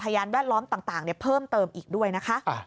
พยานแวดล้อมต่างเพิ่มเติมอีกด้วยนะคะ